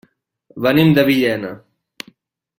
Venim de Villena.